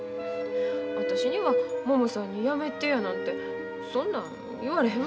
私にはももさんにやめてやなんてそんなん言われへんもん。